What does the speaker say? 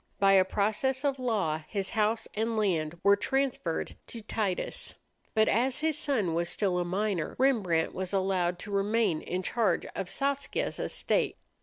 By a process of law his house and land were transferred to Titus. But as his son was still a minor, Rembrandt was allowed to remain in charge of Saskia's estate.